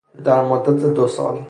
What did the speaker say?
در مدت دو سال